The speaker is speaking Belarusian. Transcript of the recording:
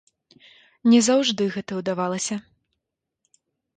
Не заўжды гэта ўдавалася.